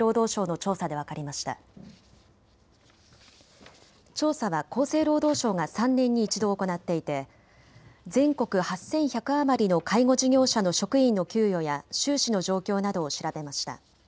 調査調査は厚生労働省が３年に１度行っていて全国８１００余りの介護事業者の職員の給与や収支の状況などを調べました。